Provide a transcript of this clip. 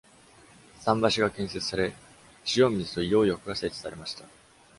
桟橋が建設され、塩水と硫黄浴が設置されました。